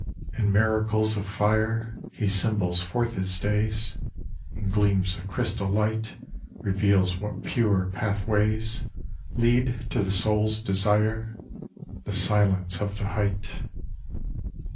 In miracles of fire He symbols forth his days ; In gleams of crystal light Reveals what pure pathways Lead to the soul's desire, The silence of the height.